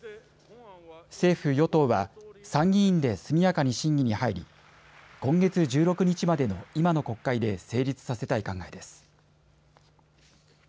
政府与党は参議院で速やかに審議に入り今月１６日までの今の国会で成立させたい考えです。